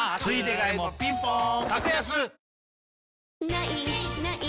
「ない！ない！